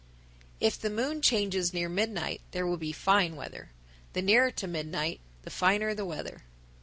If the moon changes near midnight there will be fine weather. The nearer to midnight, the finer the weather.